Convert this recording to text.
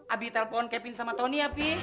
abi telpon kevin sama tony ya bi